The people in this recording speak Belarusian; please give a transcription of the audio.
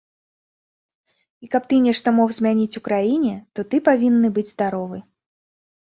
І каб ты нешта мог змяніць у краіне, то ты павінны быць здаровы.